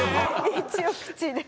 一応口です。